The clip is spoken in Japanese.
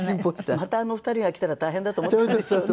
またあの２人が来たら大変だと思ったんでしょうね。